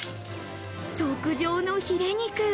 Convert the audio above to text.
特上のヒレ肉。